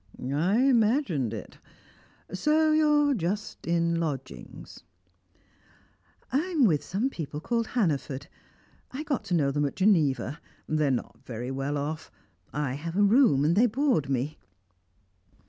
"I imagined it. So you're just in lodgings?" "I am with some people called Hannaford. I got to know them at Geneva they're not very well off; I have a room and they board me."